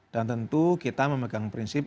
dan tentu kita memegang prinsip